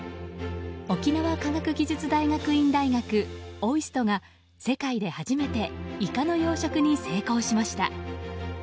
沖縄科学技術大学院大学ＯＩＳＴが世界で初めてイカの養殖に成功しました。